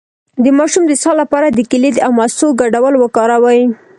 د ماشوم د اسهال لپاره د کیلې او مستو ګډول وکاروئ